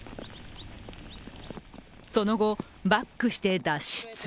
その後、バックして脱出。